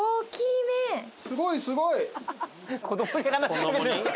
すごいすごい。